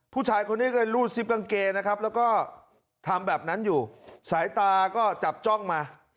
ผู้ชายคนนี้ก็รูดซิปกางเกงนะครับแล้วก็ทำแบบนั้นอยู่สายตาก็จับจ้องมา